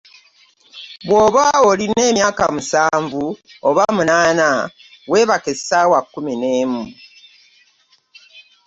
Bwoba olina emyaka musanvu oba munaana webake essawa kkumi n'emu.